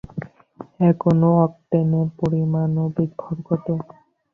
এক অণু অক্টেনের পারমাণবিক ভর কত?